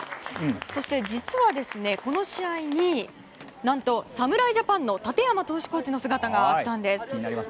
そして実は、この試合に何と、侍ジャパンの建山投手コーチの姿があったんです。